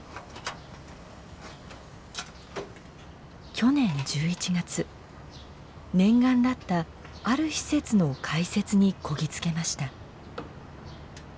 去年１１月念願だったある施設の開設にこぎ着けました。